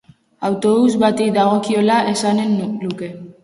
Autobus bati dagokiola esanen luke.